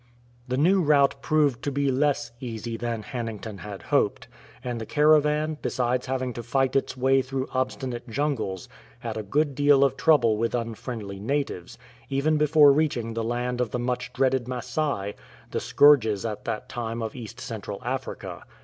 The new route proved to be less easy than Hannington had hoped, and the caravan, besides having to fight its way through obstinate jungles, had a good deal of trouble with unfriendly natives, even before reaching the land of the much dreaded Masai — the scourges at that time of East Central Africa.